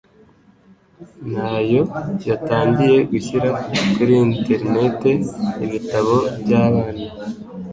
nayo yatangiye gushyira kuri internet ibitabo by'abana